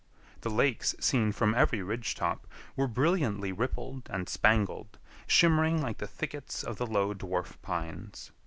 The lakes seen from every ridge top were brilliantly rippled and spangled, shimmering like the thickets of the low Dwarf Pines.